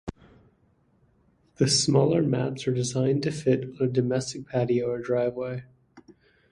The smaller mats are designed to fit on a domestic patio or driveway.